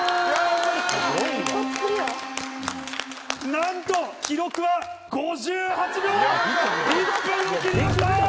なんと記録は５８秒！